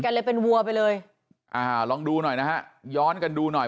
เลยเป็นวัวไปเลยอ่าลองดูหน่อยนะฮะย้อนกันดูหน่อย